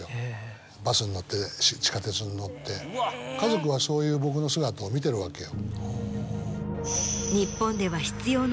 家族はそういう僕の姿を見てるわけよ。